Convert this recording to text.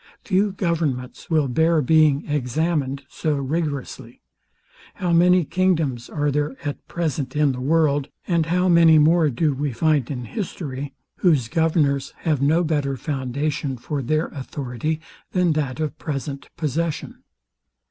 Few governments will bear being examined so rigorously. How many kingdoms are there at present in the world, and how many more do we find in history, whose governors have no better foundation for their authority than that of present possession?